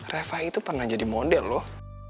reva itu pernah jadi model loh